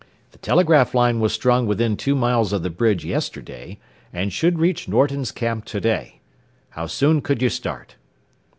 The telegraph line was strung within two miles of the bridge yesterday, and should reach Norton's camp to day. How soon could you start?"